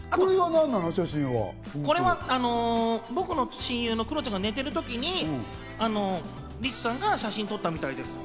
これは僕の親友のクロちゃんが寝てるときにリチさんが写真を撮ったみたいです。